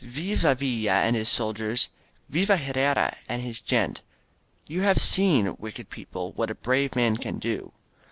Viva ViUa and his soldiers! Viva Herrera and his gente! You have seen, wicked people. What a brave man can do.